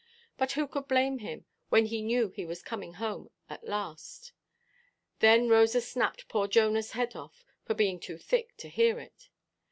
but who could blame him when he knew he was coming home at last? Then Rosa snapped poor Jonahʼs head off, for being too thick to hear it.